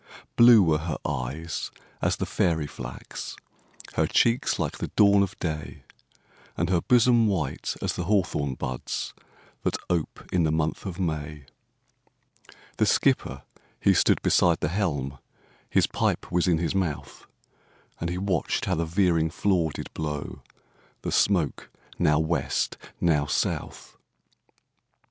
Blue were her eyes as the fairy flax, Her cheeks like the dawn of day, And her bosom white as the hawthorn buds, That ope in the month of May. The skipper he stood beside the helm, His pipe was in his mouth, And he watched how the veering flaw did blow The smoke now West, now South.